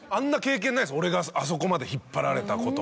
俺があそこまで引っ張られたこと。